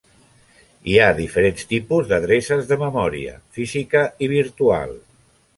Hi ha diferents tipus d'adreces de memòria: física i virtual.